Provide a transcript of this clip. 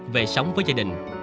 về sống với gia đình